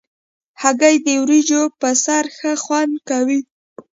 هګۍ د وریجو پر سر ښه خوند کوي.